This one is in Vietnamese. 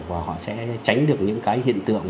và họ sẽ tránh được những cái hiện tượng